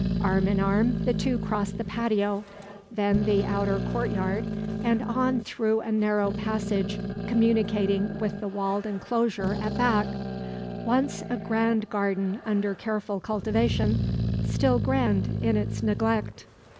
Arm in arm the two cross the patio, then the outer courtyard, and on through a narrow passage communicating with the walled enclosure at back; once a grand garden under careful cultivation, still grand in its neglect.